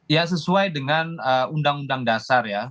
ya sesuai dengan undang undang dasar ya